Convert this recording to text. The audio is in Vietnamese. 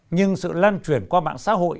nhưng sự lan truyền qua mạng xã hội